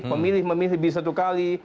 memilih memilih lebih satu kali